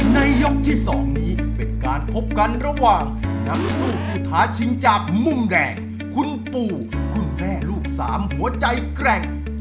ในยกที่๒นี้เป็นการพบกันระหว่างนักสู้ผู้ท้าชิงจากมุมแดงคุณปู่คุณแม่ลูกสามหัวใจแกร่ง